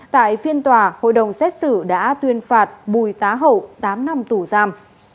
tại phiên tòa hội đồng xét xử đã tuyên phạt bùi tá hậu tám năm tù giam